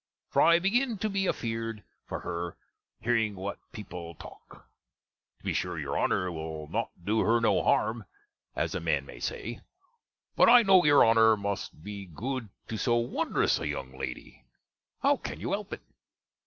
for I begin to be affearde for her, hearing what peple talck to be sure your Honner will not do her no harme, as a man may say. But I kno' your Honner must be good to so wonderous a younge lady. How can you help it?